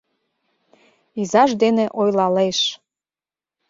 Изаж дене ойлалеш